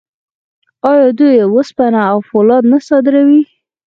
آیا دوی وسپنه او فولاد نه صادروي؟